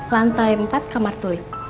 lantai empat kamar tulip